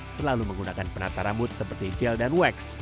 selalu menggunakan penata rambut seperti gel dan wax